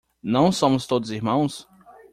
Não somos todos irmãos?